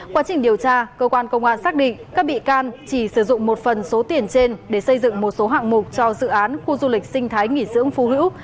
quá trình điều tra cơ quan công an xác định các bị can chỉ sử dụng một phần số tiền trên để xây dựng một số hạng mục cho dự án khu du lịch sinh thái nghỉ dưỡng phú hữu